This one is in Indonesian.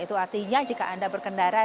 itu artinya jika anda berkendara